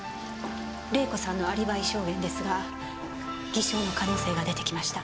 礼子さんのアリバイ証言ですが偽証の可能性が出てきました。